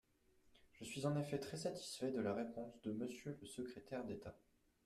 Je suis en effet très satisfait de la réponse de Monsieur le secrétaire d’État.